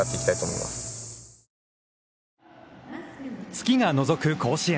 月がのぞく甲子園。